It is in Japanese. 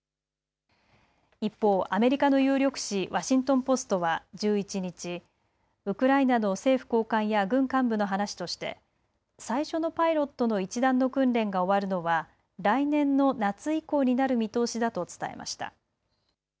一方、アメリカの有力紙、ワシントン・ポストは１１日、ウクライナの政府高官や軍幹部の話として最初のパイロットの一団の訓練が終わるのは来年の夏以降になる見通しだと伝えました。